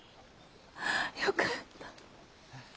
よかった。